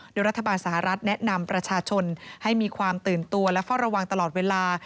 โดยรัฐบาลสหรัฐแนะนำประชาชนให้มีความตื่นตัวและเฝ้าระวังตลอดเวลา